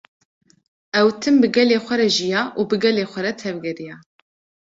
Ew tim bi gelê xwe re jiya û bi gelê xwe re tevgeriya